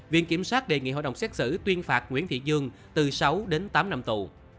viện kiểm sát đề nghị hội đồng xét xử tuyên phạt nguyễn thị dương từ sáu đến tám năm tù